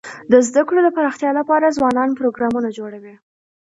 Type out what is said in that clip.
د زده کړو د پراختیا لپاره ځوانان پروګرامونه جوړوي.